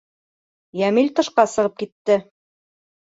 Йәмил тышҡа сығып китте.